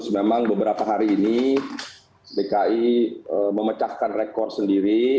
memang beberapa hari ini dki memecahkan rekor sendiri